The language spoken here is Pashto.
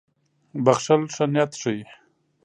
• بښل ښه نیت ښيي.